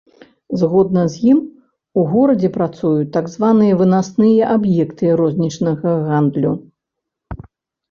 Згодна з ім, у горадзе працуюць так званыя вынасныя аб'екты рознічнага гандлю.